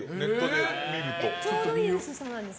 ちょうどいい薄さなんですか？